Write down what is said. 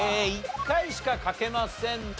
１回しか書けません。